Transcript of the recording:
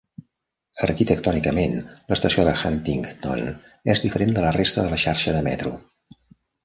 Arquitectònicament, l'estació de Huntington és diferent de la resta de la xarxa de metro.